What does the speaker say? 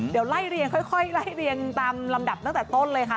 เดี๋ยวไล่เรียงค่อยไล่เรียงตามลำดับตั้งแต่ต้นเลยค่ะ